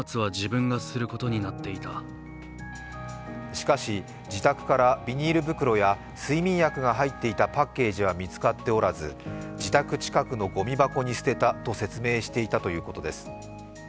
しかし自宅からビニール袋や睡眠薬が入っていたパッケージは見つかっておらず自宅近くのごみ箱に捨てたと説明していたということです。